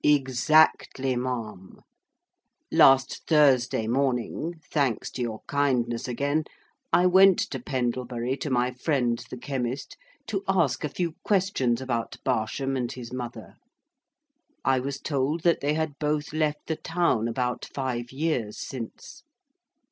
"Exactly, ma'am. Last Thursday morning (thanks to your kindness, again) I went to Pendlebury to my friend the chemist, to ask a few questions about Barsham and his mother. I was told that they had both left the town about five years since.